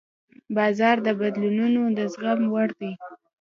بازار د بدلونونو د زغم وړ وي.